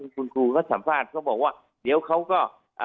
คุณครูถาดก็บอกว่าเดี๋ยวเขาก็